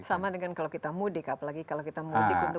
sama dengan kalau kita mudik apalagi kalau kita mudik untuk